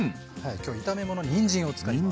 今日炒め物ににんじんを使います。